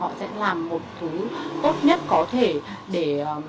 họ sẽ làm một thứ tốt nhất có thể